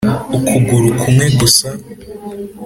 ukuguru kumwe gusa